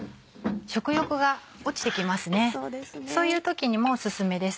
そういう時にもオススメです。